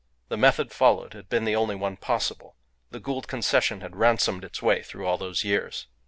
The method followed had been the only one possible. The Gould Concession had ransomed its way through all those years.